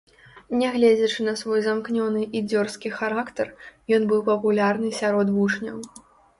Нягледзячы на свой замкнёны і дзёрзкі характар, ён быў папулярны сярод вучняў.